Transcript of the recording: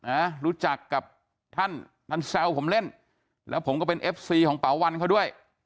นะรู้จักกับท่านท่านแซวผมเล่นแล้วผมก็เป็นเอฟซีของเป๋าวันเขาด้วย